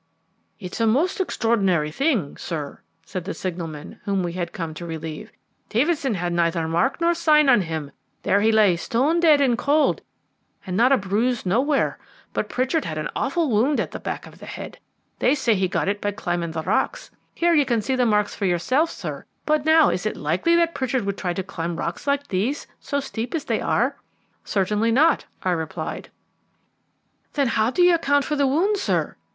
"It is a most extraordinary thing, sir," said the signalman whom we had come to relieve. "Davidson had neither mark nor sign on him there he lay stone dead and cold, and not a bruise nowhere; but Pritchard had an awful wound at the back of the head. They said he got it by climbing the rocks here, you can see the marks for yourself, sir. But now, is it likely that Pritchard would try to climb rocks like these, so steep as they are?" "Certainly not," I replied. "Then how do you account for the wound, sir?"